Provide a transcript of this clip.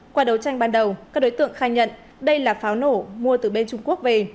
qua đấu tranh ban đầu các đối tượng khai nhận đây là pháo nổ mua từ bên trung quốc về